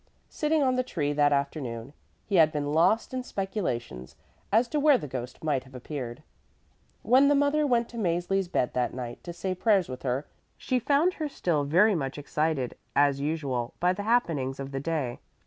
Sitting on the tree that afternoon, he had been lost in speculations as to where the ghost might have appeared. When the mother went to Mäzli's bed that night to say prayers with her she found her still very much excited, as usual, by the happenings of the day.